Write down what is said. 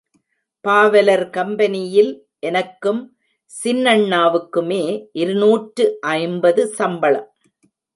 பாவலர் கம்பெனியில் எனக்கும் சின்னண்ணாவுக்குமே இருநூற்று ஐம்பது சம்பளம்.